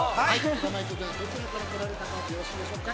名前とどちらから来られたかよろしいでしょうか。